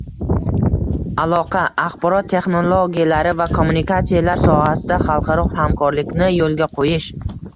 aloqa, axborot texnologiyalari va kommunikatsiyalar sohasida xalqaro hamkorlikni yo'lga qo'yish